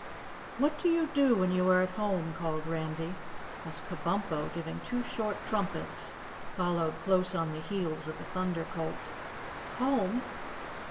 "What do you do when you are at home?" called Randy as Kabumpo, giving two short trumpets, followed close on the heels of the Thunder Colt. "Home?"